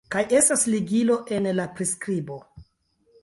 kaj estas ligilo en la priskribo